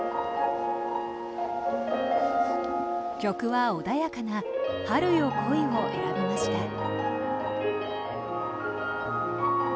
曲は、穏やかな「春よ、来い」を選びました。